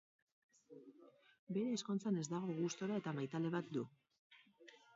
Bere ezkontzan ez dago gustura eta maitale bat du.